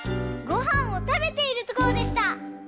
ごはんをたべているところでした。